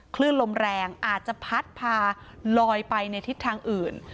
คลื่นลมแรงอาจจะพัดพาลอยไปในทิศทางอื่น